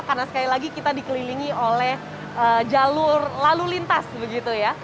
karena sekali lagi kita dikelilingi oleh jalur lalu lintas begitu ya